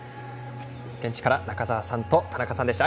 現地から中澤さんと田中さんでした。